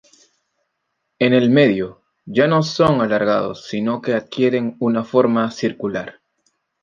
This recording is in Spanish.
En el medio, ya no son alargados sino que adquieren una forma circular.